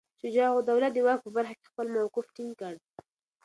شجاع الدوله د واک په برخه کې خپل موقف ټینګ کړ.